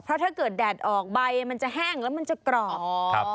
เพราะถ้าเกิดแดดออกใบมันจะแห้งแล้วมันจะกรอบ